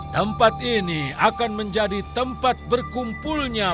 tempat ini akan menjadi tempat berkumpulnya